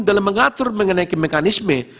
dalam mengatur mengenai mekanisme